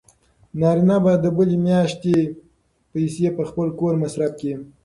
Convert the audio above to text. نازیه به د بلې میاشتې پیسې په خپل کور مصرف کړي.